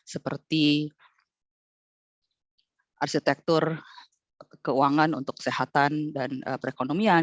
seperti arsitektur keuangan untuk kesehatan dan perekonomian